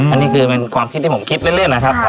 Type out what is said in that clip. อันนี้เป็นความคิดที่ผมคิดเรื่อย